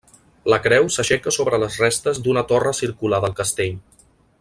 La creu s'aixeca sobre les restes d'una torre circular del castell.